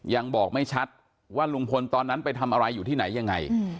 ยังบอกไม่ชัดว่าลุงพลตอนนั้นไปทำอะไรอยู่ที่ไหนยังไง